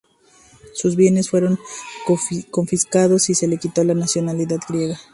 Sus bienes fueron confiscados y se le quitó la nacionalidad griega.